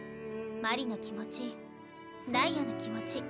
鞠莉の気持ちダイヤの気持ち